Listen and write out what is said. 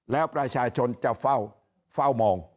แล้วประชาชนจะเฝ้ามอง